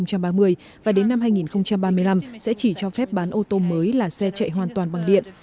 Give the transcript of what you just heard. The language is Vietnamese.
năm hai nghìn ba mươi và đến năm hai nghìn ba mươi năm sẽ chỉ cho phép bán ô tô mới là xe chạy hoàn toàn bằng điện